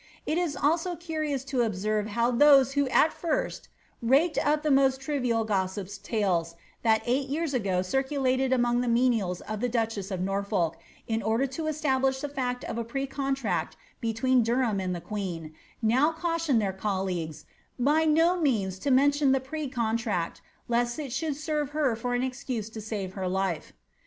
It is ,ous to observe how those who at first raked up the most trivial tales (that eight years ago circulated among the menials of less of Norfolk, in order to establish the fact of a precontract Derham and the queen), now caution their colleagues *^ by no > mention the precontract^ lest it should serve her for an excuse icr life."